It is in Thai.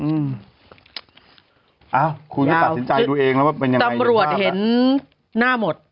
อ้าวคุณก็ตัดสินใจดูเองแล้วว่าเป็นยังไงตำรวจเห็นหน้าหมด